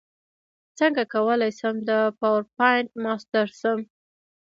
څنګه کولی شم د پاورپاینټ ماسټر شم